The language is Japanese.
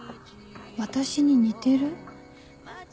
私に似てる？